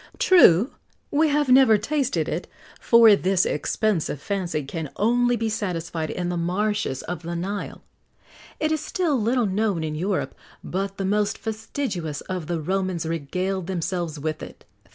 True, we have never tasted it, for this expensive fancy can only be satisfied in the marshes of the Nile.[XX 67] It is still little known in Europe, but the most fastidious of the Romans regaled themselves with it.